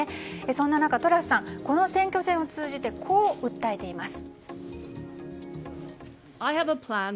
そんな中、トラスさんこの選挙戦を通じてこう訴えています。